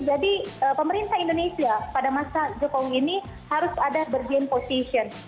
jadi pemerintah indonesia pada masa jepang ini harus ada bergen position